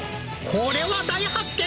これは大発見。